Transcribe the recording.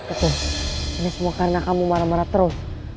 betul ini semua karena kamu marah marah terus